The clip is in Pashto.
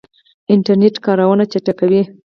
انټرنیټ کارونه چټکوي